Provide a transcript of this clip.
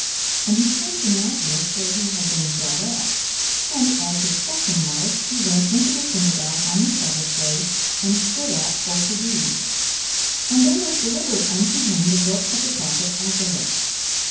42:004:016 And he came to Nazareth, where he had been brought up: and, as his custom was, he went into the synagogue on the sabbath day, and stood up for to read. 42:004:017 And there was delivered unto him the book of the prophet Esaias.